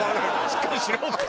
しっかりしろ！って。